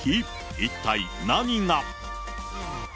一体何が。